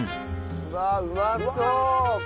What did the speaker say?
うわうまそう！